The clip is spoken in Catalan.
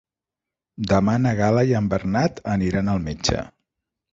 Demà na Gal·la i en Bernat aniran al metge.